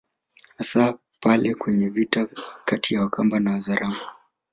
Hasa pale kwenye vita kati ya Wakamba na Wazaramo